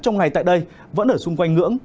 trong ngày tại đây vẫn ở xung quanh ngưỡng